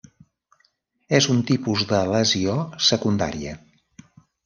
És un tipus de lesió secundària.